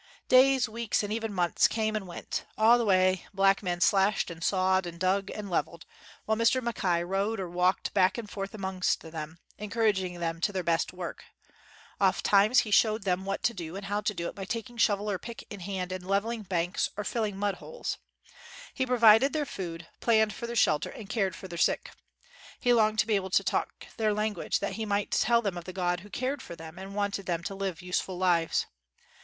Days, weeks, and even months came and went. All the way black men slashed and sawed, and dug and leveled, while Mr. Mackay rode or walked back and forth among them, encouraging them to their best work. Ofttimes he showed them what to do and how to do it by taking shovel or pick in hand and leveling banks, or filling mud holes. He provided their food, plan ned for their shelter and cared for their sick. He longed to be able to talk their language that he might tell them of the God who cared for them and wanted them to live useful lives.